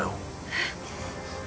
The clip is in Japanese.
えっ。